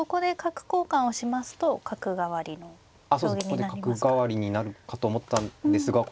ここで角換わりになるかと思ったんですがここで角を換えずに。